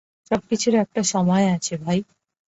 সবকিছুর একটা সময় আছে, ভাই।